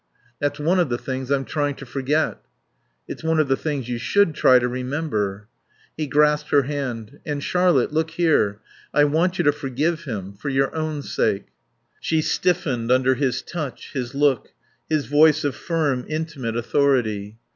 "That's one of the things I'm trying to forget." "It's one of the things you should try to remember." He grasped her arm. "And, Charlotte, look here. I want you to forgive him. For your own sake." She stiffened under his touch, his look, his voice of firm, intimate authority.